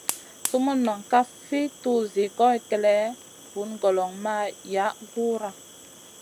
Sumun noŋ kaf fi tuzi goy kélèʼèh, vun goloŋ ma yaʼ Guhra.